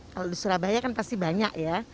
kalau di surabaya kan pasti banyak ya